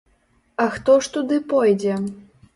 А хто ж туды пойдзе?